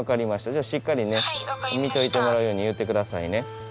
じゃしっかりね見といてもらうように言って下さいね。